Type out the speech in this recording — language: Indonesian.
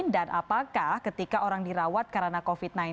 dan apakah ketika orang dirawat karena covid sembilan belas